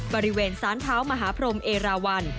บริเวณซ้านเท้ามหาพรมเอราวัน